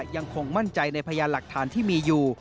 ยังคงมั่นใจในพยานหลักฐานที่มีอยู่